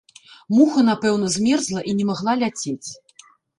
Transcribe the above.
Муха, напэўна, змерзла і не магла ляцець.